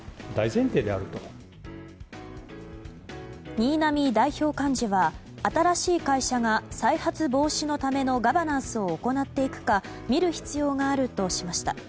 新浪代表幹事は新しい会社が再発防止のためのガバナンスを行っていくか見る必要があるとしました。